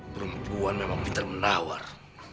perempuan memang pintar menawar